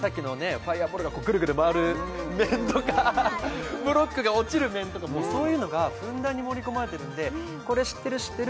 ファイアボールがぐるぐる回る面とかブロックが落ちる面とかそういうのがふんだんに盛り込まれてるんでこれ知ってる知ってるって思いますし